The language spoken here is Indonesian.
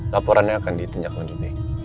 laporannya akan ditinjak lanjut nih